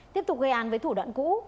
tiếp tục gây án với thủ đoạn cũ